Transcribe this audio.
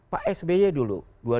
pak sby dulu